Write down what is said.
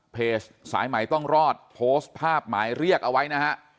เพจสายใหม่ต้องรอดโพสต์ภาพหมายเรียกเอาไว้นะฮะ